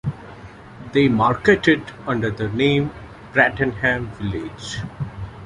They market it under the name Bradenham Village.